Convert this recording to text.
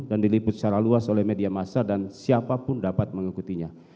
dan diliput secara luas oleh media masa dan siapapun dapat mengikutinya